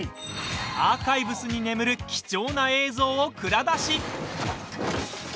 アーカイブスに眠る貴重な映像を蔵出し。